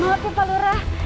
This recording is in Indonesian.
maaf ya pak lurah